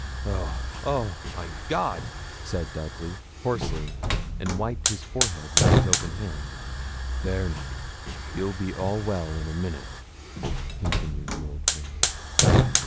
'Oh, oh, my God!' said Dudley, hoarsely, and wiped his forehead with his open hand. 'There now, you'll be all well in a minute,' continued the old man.